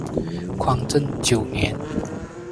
宽政九年。